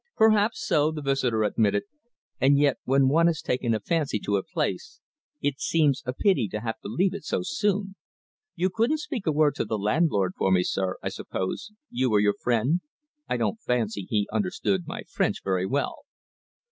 "Perhaps so," the visitor admitted, "and yet when one has taken a fancy to a place, it seems a pity to have to leave it so soon. You couldn't speak a word to the landlord for me, sir, I suppose you or your friend. I don't fancy he understood my French very well."